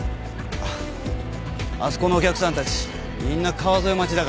あそこのお客さんたちみんな川添待ちだから。